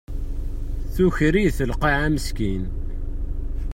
Tuker-it lqaɛa meskin.